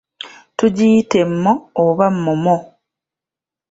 Tugiyita enmo oba mmommo.